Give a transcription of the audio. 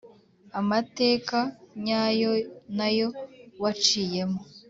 amateka nyayo nayo waciyemo